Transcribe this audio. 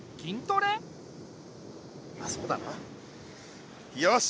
まっそうだなよし！